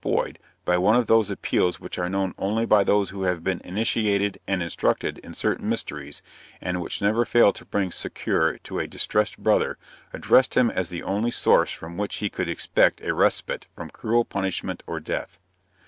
Boyd, by one of those appeals which are known only by those who have been initiated and instructed in certain mysteries, and which never fail to bring succor to a "distressed brother," addressed him as the only source from which he could expect a respite from cruel punishment or death.